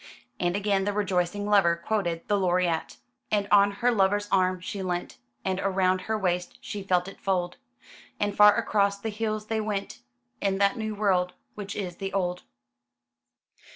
And again the rejoicing lover quoted the Laureate: "And on her lover's arm she leant, And round her waist she felt it fold; And far across the hills they went, In that new world which is the old."